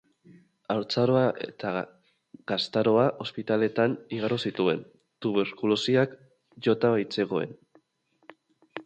Haurtzaroa eta gaztaroa ospitaletan igaro zituen, tuberkulosiak jota baitzegoen.